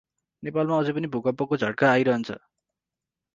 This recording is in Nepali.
नेपालमा अझै पनि भुकम्पको झट्का अाइरन्छ ।